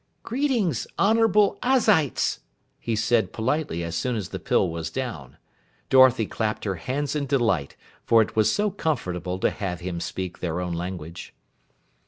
"Greetings, honorable Ozites!" he said politely as soon as the pill was down. Dorothy clapped her hands in delight, for it was so comfortable to have him speak their own language.